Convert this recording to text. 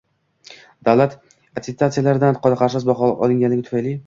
Davlat attestatsiyasidan qoniqarsiz baho olganligi tufayli